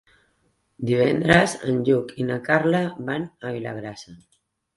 Divendres en Lluc i na Carla van a Vilagrassa.